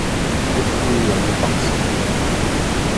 di kuuniya yi baŋsim.